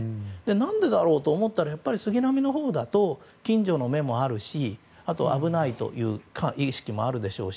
何でだろうと思ったらやっぱり杉並のほうだと近所の目もあるしあと、危ないという意識もあるでしょうし